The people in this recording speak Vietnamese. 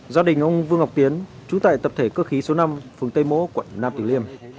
gia đình ông vương ngọc tiến trú tại tập thể cơ khí số năm phường tây mỗ quận nam tử liêm